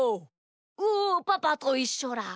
おおパパといっしょだ。